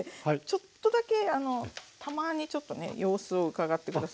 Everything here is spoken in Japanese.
ちょっとだけあのたまにちょっとね様子をうかがって下さい。